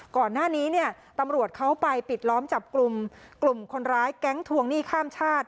ก่อนหน้านี้เนี่ยตำรวจเขาไปปิดล้อมจับกลุ่มกลุ่มคนร้ายแก๊งทวงหนี้ข้ามชาติ